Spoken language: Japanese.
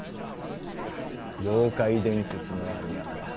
妖怪伝説のある山だ。